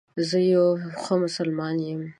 زه یو ښه مسلمان یم